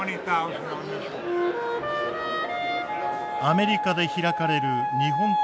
アメリカで開かれる日本刀の展示